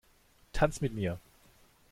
Tanz mit mir!